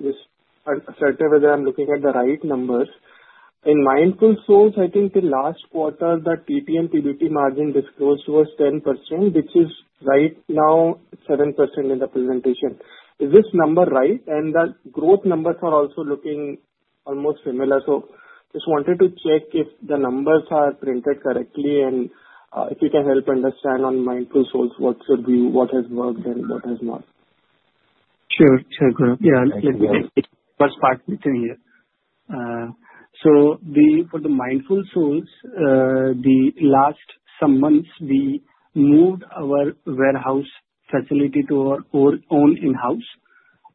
just ascertain whether I'm looking at the right numbers. In Mindful Souls, I think the last quarter, the TT and TBT margin disclosed was 10%, which is right now 7% in the presentation. Is this number right? And the growth numbers are also looking almost similar. So just wanted to check if the numbers are printed correctly and if you can help understand on Mindful Souls, what's your view, what has worked, and what has not. Sure. Sure. Yeah. Let me take first part within here. So for the Mindful Souls, the last some months, we moved our warehouse facility to our own in-house.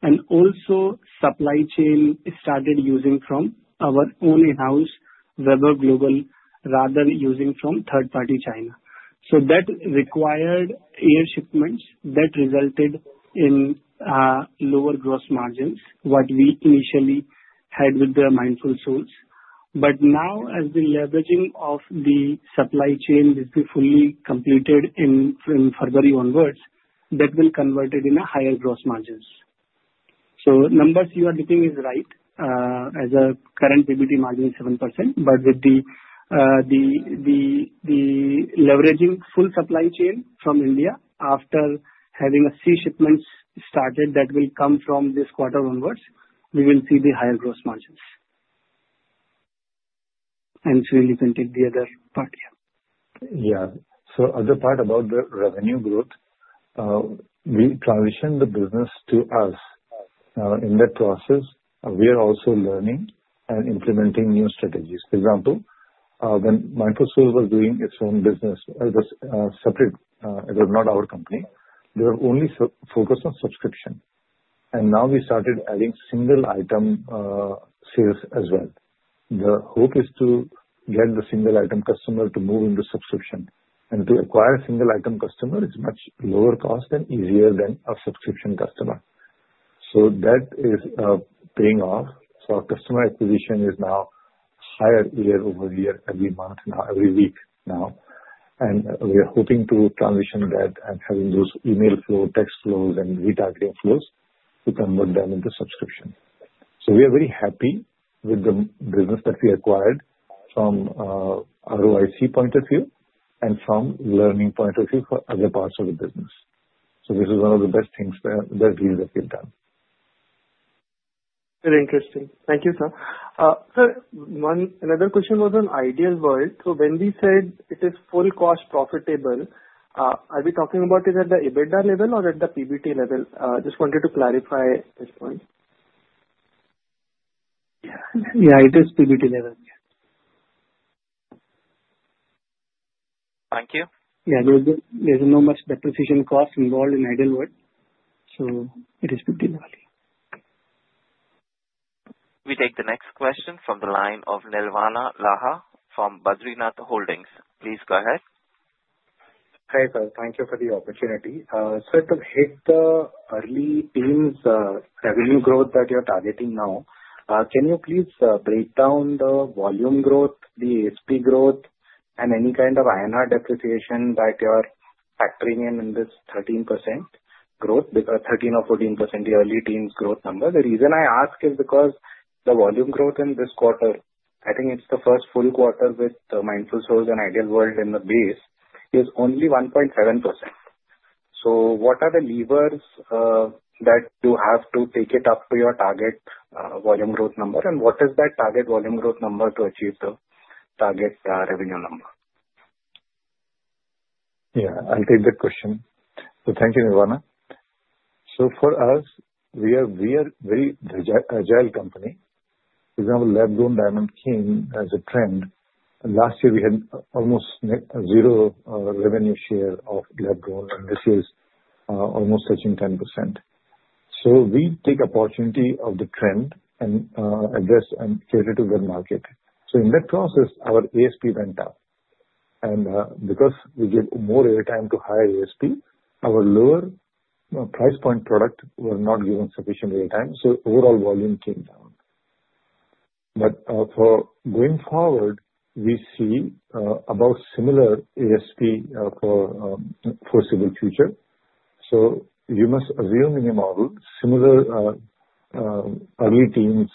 And also, supply chain started using from our own in-house, Vaibhav Global, rather than using from third-party China. So that required air shipments that resulted in lower gross margins, what we initially had with the Mindful Souls. But now, as the leveraging of the supply chain will be fully completed in February onwards, that will convert it in higher gross margins. So the numbers you are looking at are right. As a current PBT margin is 7%, but with the leveraging full supply chain from India after having sea shipments started that will come from this quarter onwards, we will see the higher gross margins. And Sunil, you can take the other part here. Yeah. So the other part about the revenue growth, we transitioned the business to us. In that process, we are also learning and implementing new strategies. For example, when Mindful Souls was doing its own business, it was separate. It was not our company. They were only focused on subscription. And now we started adding single-item sales as well. The hope is to get the single-item customer to move into subscription. And to acquire a single-item customer is much lower cost and easier than a subscription customer. So that is paying off. So our customer acquisition is now higher year over year, every month, now every week now. And we are hoping to transition that and having those email flow, text flows, and retargeting flows to convert them into subscription. So we are very happy with the business that we acquired from ROIC point of view and from learning point of view for other parts of the business. So this is one of the best things that we've done. Very interesting. Thank you, sir. Sir, another question was on Ideal World. So when we said it is full cost profitable, are we talking about it at the EBITDA level or at the PBT level? Just wanted to clarify this point. Yeah. Yeah. It is PBT level. Thank you. Yeah. There's not much depreciation cost involved in Ideal World. So it is PBT level. We take the next question from the line of Nirvana Laha from Badrinath Holdings. Please go ahead. Hi sir. Thank you for the opportunity. Sir, to hit the early teens' revenue growth that you're targeting now, can you please break down the volume growth, the ASP growth, and any kind of INR depreciation that you're factoring in in this 13% growth, 13% or 14%, the early teens' growth number? The reason I ask is because the volume growth in this quarter, I think it's the first full quarter with Mindful Souls and Ideal World in the base, is only 1.7%. So what are the levers that you have to take it up to your target volume growth number? And what is that target volume growth number to achieve the target revenue number? Yeah. I'll take that question. So thank you, Nirvana. So for us, we are a very agile company. For example, lab-grown diamonds came as a trend. Last year, we had almost zero revenue share of lab-grown, and this year is almost touching 10%. So we take opportunity of the trend and address and cater to that market. So in that process, our ASP went up. And because we gave more airtime to higher ASP, our lower price point product was not given sufficient airtime. So overall volume came down. But for going forward, we see about similar ASP for the foreseeable future. So you must assume in your model similar early teams'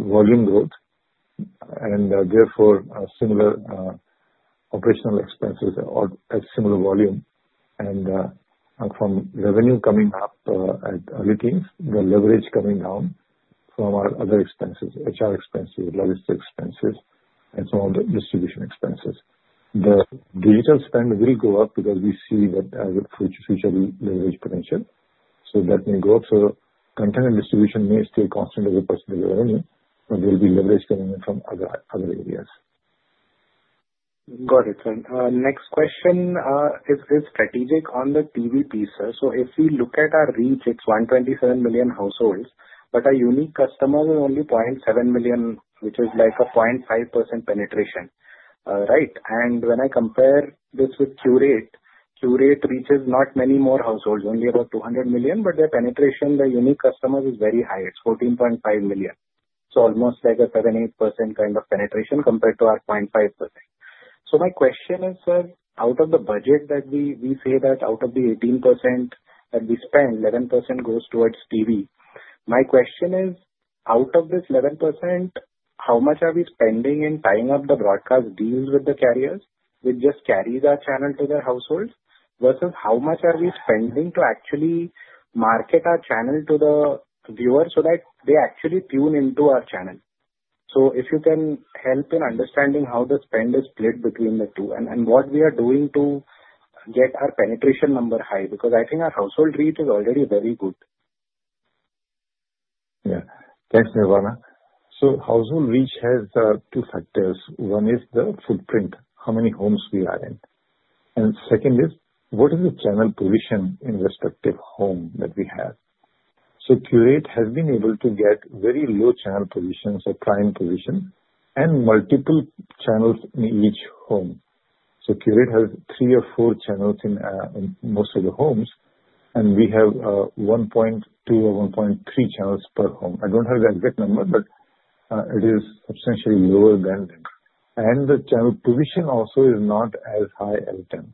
volume growth and therefore similar operational expenses at similar volume. And from revenue coming up at early teams, the leverage coming down from our other expenses, HR expenses, logistics expenses, and some of the distribution expenses. The digital spend will go up because we see that as a future leverage potential. So that may go up. So content and distribution may stay constant as a percentage of revenue, but there will be leverage coming in from other areas. Got it, sir. Next question is strategic on the TV piece, sir. So if we look at our reach, it's 127 million households, but our unique customers are only 0.7 million, which is like a 0.5% penetration, right? And when I compare this with Qurate, Qurate reaches not many more households, only about 200 million, but their penetration, their unique customers is very high. It's 14.5 million. It's almost like a 7%-8% kind of penetration compared to our 0.5%. So my question is, sir, out of the budget that we say that out of the 18% that we spend, 11% goes towards TV. My question is, out of this 11%, how much are we spending in tying up the broadcast deals with the carriers, which just carry our channel to their households, versus how much are we spending to actually market our channel to the viewers so that they actually tune into our channel? So if you can help in understanding how the spend is split between the two and what we are doing to get our penetration number high, because I think our household reach is already very good. Yeah. Thanks, Nirvana. So household reach has two factors. One is the footprint, how many homes we are in. And second is what is the channel position in respective home that we have? So Qurate has been able to get very low channel positions, a prime position, and multiple channels in each home. So Qurate has three or four channels in most of the homes, and we have 1.2 or 1.3 channels per home. I don't have the exact number, but it is substantially lower than them. And the channel position also is not as high as them.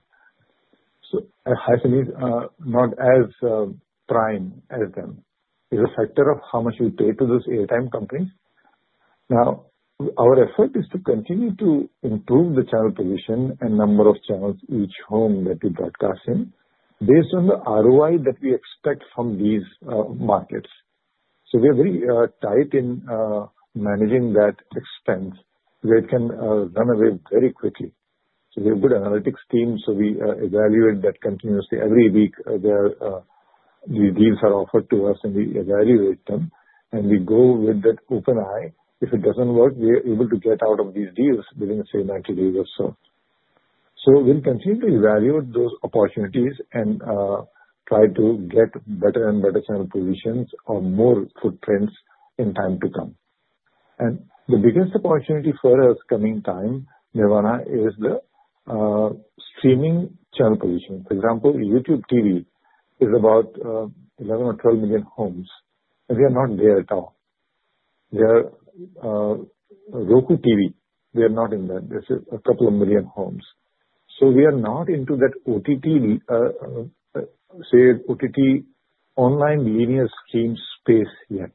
So highness is not as prime as them. It's a factor of how much we pay to those airtime companies. Now, our effort is to continue to improve the channel position and number of channels each home that we broadcast in based on the ROI that we expect from these markets. We are very tight in managing that expense where it can run away very quickly. We have a good analytics team, so we evaluate that continuously. Every week, these deals are offered to us, and we evaluate them, and we go with that open eye. If it doesn't work, we are able to get out of these deals within, say, 90 days or so. We'll continue to evaluate those opportunities and try to get better and better channel positions or more footprints in time to come. The biggest opportunity for us coming time, Nirvana, is the streaming channel position. For example, YouTube TV is about 11 or 12 million homes, and we are not there at all. Roku TV, we are not in that. There's a couple of million homes. We are not into that OTT, say, OTT online linear stream space yet.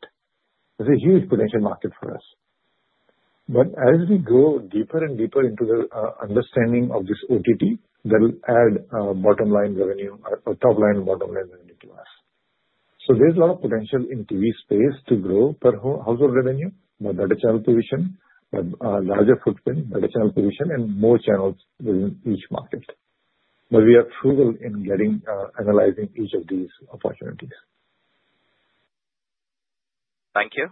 It's a huge potential market for us. But as we go deeper and deeper into the understanding of this OTT, that will add bottom-line revenue or top-line and bottom-line revenue to us. So there's a lot of potential in TV space to grow per household revenue, but better channel position, but larger footprint, better channel position, and more channels within each market. But we are frugal in analyzing each of these opportunities. Thank you.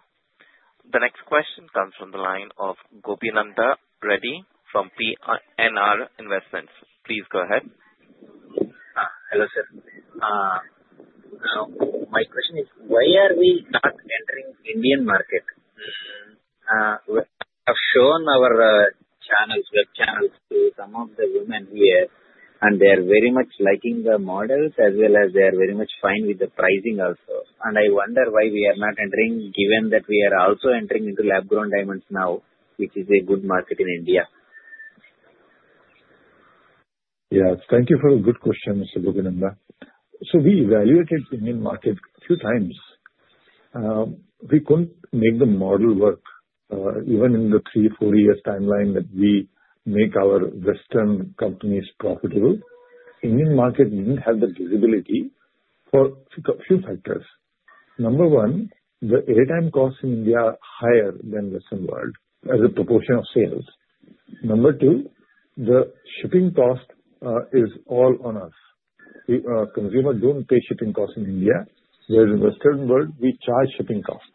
The next question comes from the line of Gopinadha Reddy from PNR Investments. Please go ahead. Hello, sir. So my question is, why are we not entering the Indian market? We have shown our channels, web channels to some of the women here, and they are very much liking the models, as well as they are very much fine with the pricing also. And I wonder why we are not entering, given that we are also entering into lab-grown diamonds now, which is a good market in India. Yeah. Thank you for a good question, Mr. Gopinadha. So we evaluated the Indian market a few times. We couldn't make the model work, even in the three, four-year timeline that we make our Western companies profitable. The Indian market didn't have the visibility for a few factors. Number one, the airtime costs in India are higher than Western world as a proportion of sales. Number two, the shipping cost is all on us. Consumers don't pay shipping costs in India, whereas in Western world, we charge shipping costs.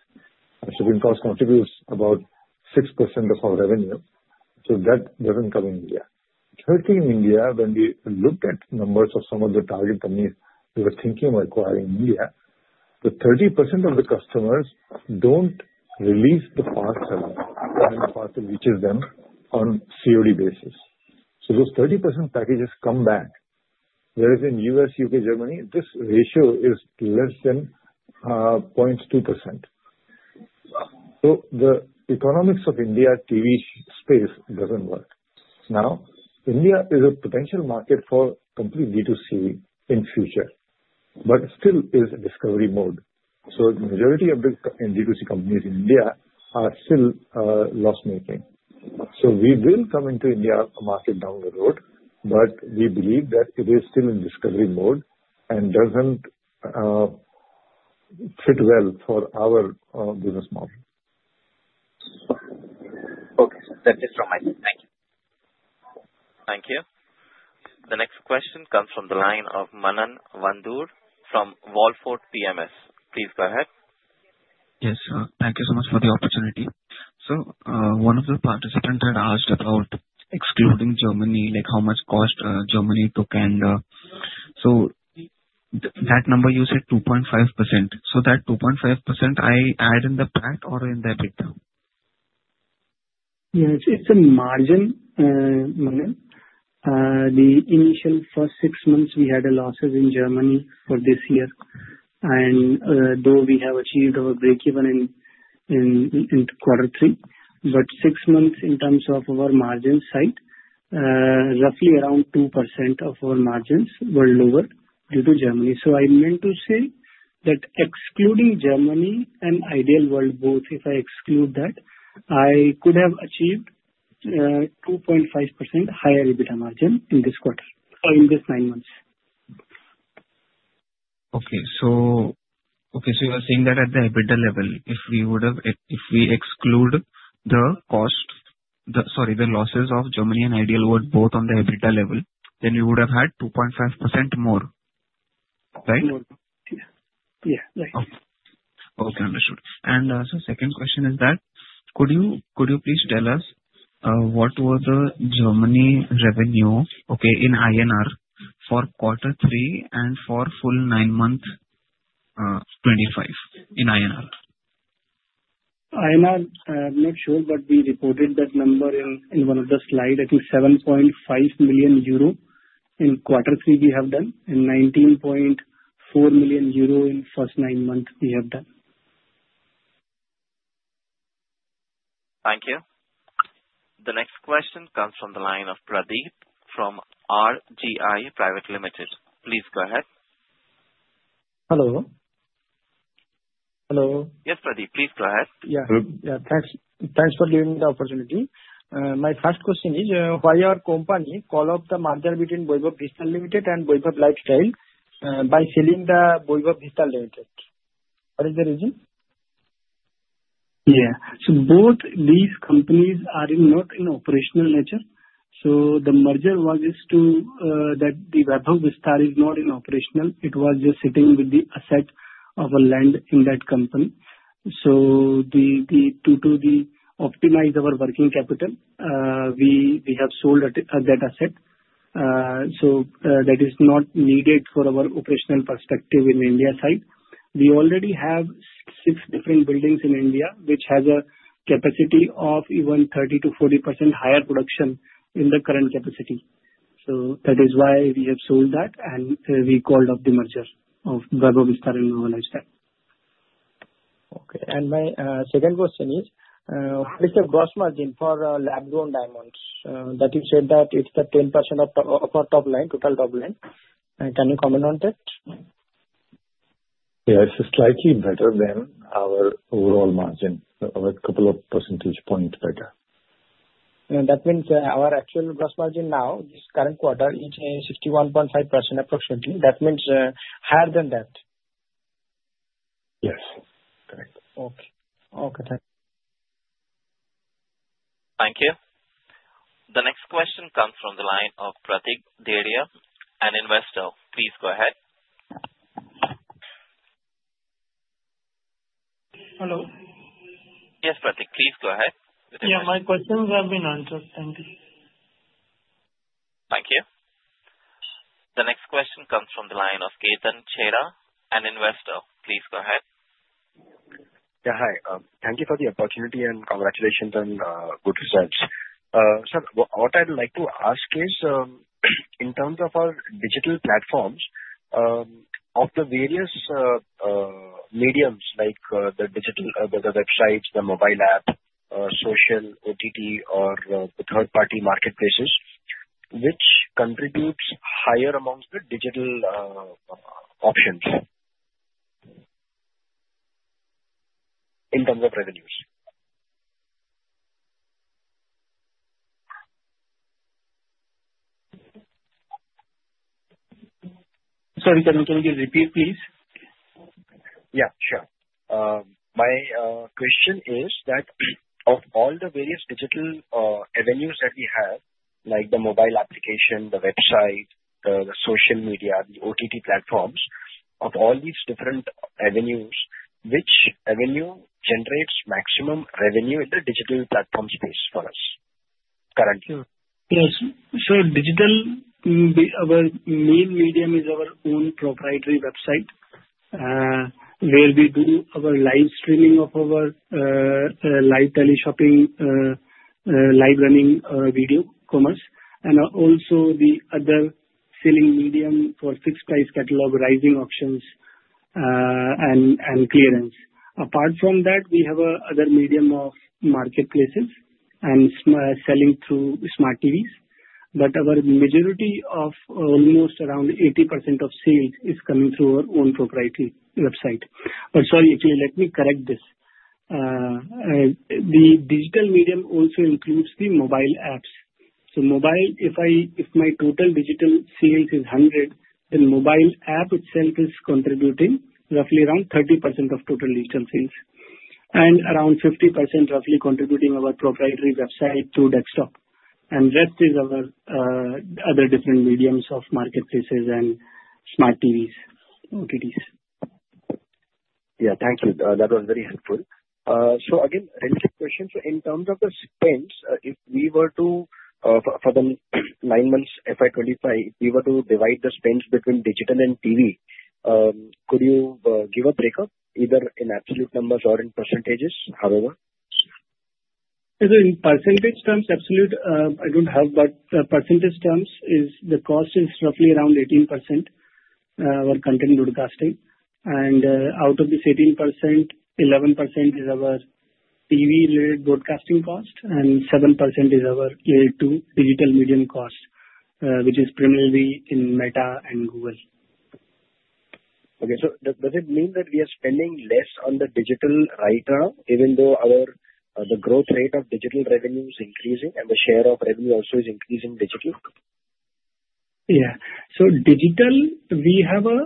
And shipping costs contribute about 6% of our revenue. So that doesn't come in here. The third thing in India, when we looked at numbers of some of the target companies we were thinking of acquiring in India, the 30% of the customers don't release the parcel and the parcel reaches them on a COD basis. So those 30% packages come back. Whereas in the U.S., U.K., Germany, this ratio is less than 0.2%. So the economics of India's TV space doesn't work. Now, India is a potential market for complete D2C in the future, but it still is in discovery mode. So the majority of the D2C companies in India are still loss-making. So we will come into India a market down the road, but we believe that it is still in discovery mode and doesn't fit well for our business model. Okay. That's it from my side. Thank you. Thank you. The next question comes from the line of Manan Vandur from Wallfort PMS. Please go ahead. Yes. Thank you so much for the opportunity. So one of the participants had asked about excluding Germany, like how much cost Germany took and so that number you said 2.5%. So that 2.5%, I add in the PAT or in the EBITDA? Yeah. It's a margin, Manan. The initial first six months, we had losses in Germany for this year. And though we have achieved our breakeven in quarter three, but six months in terms of our margin side, roughly around 2% of our margins were lower due to Germany. So I meant to say that excluding Germany and Ideal World, both, if I exclude that, I could have achieved 2.5% higher EBITDA margin in this quarter or in these nine months. Okay. So you are saying that at the EBITDA level, if we exclude the cost, sorry, the losses of Germany and Ideal World, both on the EBITDA level, then we would have had 2.5% more, right? More. Yeah. Yeah. Right. Okay. Understood. And so second question is that, could you please tell us what were the Germany revenue, okay, in INR for quarter three and for full nine months 2025 in INR? INR, I'm not sure, but we reported that number in one of the slides. I think 7.5 million euro in quarter three we have done and 19.4 million euro in first nine months we have done. Thank you. The next question comes from the line of Pradeep from RGI Private Limited. Please go ahead. Hello? Hello. Yes, Pradeep. Please go ahead. Yeah. Thanks for giving me the opportunity. My first question is, why are companies calling off the merger between Vaibhav Vistar Limited and Vaibhav Lifestyle Limited by selling the Vaibhav Vistar Limited? What is the reason? Yeah. So both these companies are not in operational nature. So the merger was just to that the Vaibhav Vistar is not in operational. It was just sitting with the asset of a land in that company. So to optimize our working capital, we have sold that asset. So that is not needed for our operational perspective in India side. We already have six different buildings in India, which has a capacity of even 30%-40% higher production in the current capacity. So that is why we have sold that, and we called off the merger of Vaibhav Vistar and Vaibhav Lifestyle Limited. Okay. And my second question is, what is the gross margin for lab-grown diamonds? That you said that it's the 10% of our top line, total top line. Can you comment on that? Yeah. It's slightly better than our overall margin, a couple of percentage points better. That means our actual gross margin now, this current quarter, is 61.5% approximately. That means higher than that. Yes. Correct. Okay. Thank you. The next question comes from the line of Pratik Dedhia, an investor. Please go ahead. Hello? Yes, Pratik. Please go ahead. Yeah. My questions have been answered. Thank you. Thank you. The next question comes from the line of Ketan Chheda, an investor. Please go ahead. Yeah. Hi. Thank you for the opportunity and congratulations and good results. Sir, what I'd like to ask is, in terms of our digital platforms, of the various mediums, like the digital websites, the mobile app, social, OTT, or the third-party marketplaces, which contributes higher amongst the digital options in terms of revenues? Sorry, can you repeat, please? Yeah. Sure. My question is that, of all the various digital avenues that we have, like the mobile application, the website, the social media, the OTT platforms, of all these different avenues, which avenue generates maximum revenue in the digital platform space for us currently? Yes. So, digital, our main medium is our own proprietary website where we do our live streaming of our live telly shopping, live running video commerce, and also the other selling medium for fixed-price catalog, rising options, and clearance. Apart from that, we have another medium of marketplaces and selling through smart TVs. But our majority of almost around 80% of sales is coming through our own proprietary website. But sorry, actually, let me correct this. The digital medium also includes the mobile apps. So mobile, if my total digital sales is 100, then mobile app itself is contributing roughly around 30% of total digital sales and around 50% roughly contributing our proprietary website to desktop. And the rest is our other different mediums of marketplaces and smart TVs, OTTs. Yeah. Thank you. That was very helpful. So again, a quick question. So in terms of the spends, if we were to, for the nine months FY 2025, if we were to divide the spends between digital and TV, could you give a breakup, either in absolute numbers or in percentages, however? So, in percentage terms, absolute, I don't have, but percentage terms is the cost is roughly around 18% of our content broadcasting. And out of this 18%, 11% is our TV-related broadcasting cost, and 7% is our related to digital medium cost, which is primarily in Meta and Google. Okay. So does it mean that we are spending less on the digital right now, even though the growth rate of digital revenue is increasing and the share of revenue also is increasing digitally? Yeah. So digital, we have a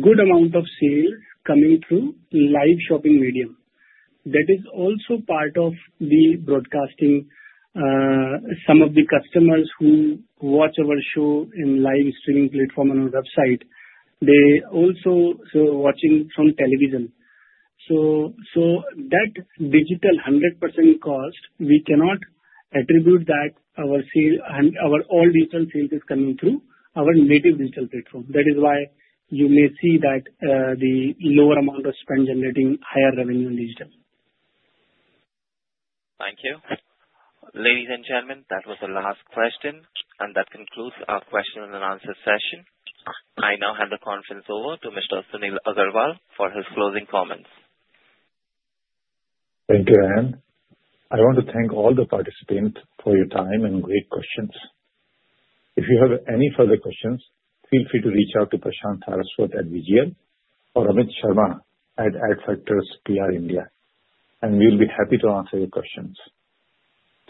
good amount of sales coming through live shopping medium. That is also part of the broadcasting. Some of the customers who watch our show in live streaming platform on our website, they also are watching from television. So that digital 100% cost, we cannot attribute that our all digital sales is coming through our native digital platform. That is why you may see that the lower amount of spend generating higher revenue in digital. Thank you. Ladies and gentlemen, that was the last question. And that concludes our question and answer session. I now hand the conference over to Mr. Sunil Agrawal for his closing comments. Thank you, Anand. I want to thank all the participants for your time and great questions. If you have any further questions, feel free to reach out to Prashant Saraswat at VGL or Amit Sharma at Adfactors PR India, and we'll be happy to answer your questions.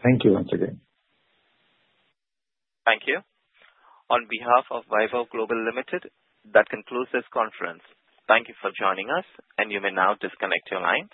Thank you once again. Thank you. On behalf of Vaibhav Global Limited, that concludes this conference. Thank you for joining us, and you may now disconnect your lines.